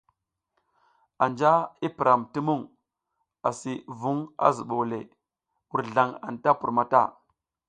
Anja i piram ti mung asi vung a zubole, wurzlang anta pur mata.